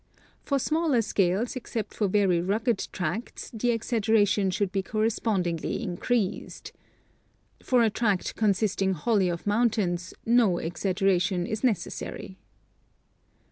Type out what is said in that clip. For smaller scales, except for very rugged tracts, the exaggeration should be correspondingly increased. For a tract consisting wholly of mountains no exag geration is necessary."